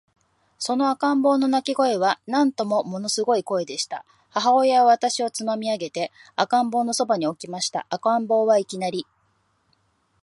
その赤ん坊の泣声は、なんとももの凄い声でした。母親は私をつまみ上げて、赤ん坊の傍に置きました。赤ん坊は、いきなり、